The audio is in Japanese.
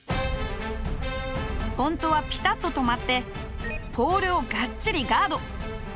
本当はピタッと止まってポールをがっちりガード。